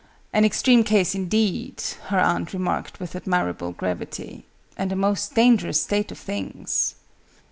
"An extreme case, indeed," her aunt remarked with admirable gravity: "and a most dangerous state of things!"